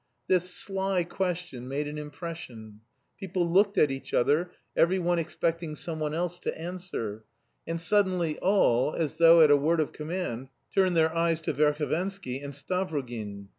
This "sly" question made an impression. People looked at each other, every one expecting someone else to answer, and suddenly all, as though at a word of command, turned their eyes to Verhovensky and Stavrogin.